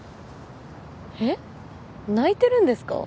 えっ泣いてるんですか？